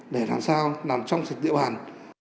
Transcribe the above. để làm sao làm trong sự tiêu hàn